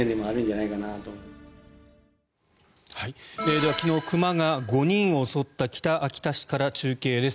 では昨日、熊が５人を襲った北秋田市から中継です。